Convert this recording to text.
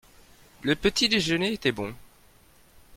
Le petit-déjeuner était bon.